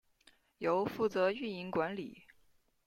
由负责运营管理。